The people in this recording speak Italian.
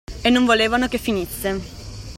E non volevano che finisse.